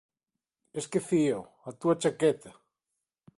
Esquecíao, a túa chaqueta.